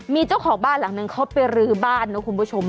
มีเจ้าของบ้านหลังนึงเขาไปรื้อบ้านนะคุณผู้ชม